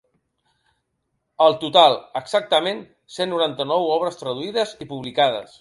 El total: exactament cent noranta-nou obres traduïdes i publicades.